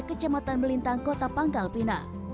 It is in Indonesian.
kecamatan melintang kota pangkal pinang